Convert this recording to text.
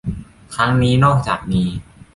ครั้งนี้นอกจากมี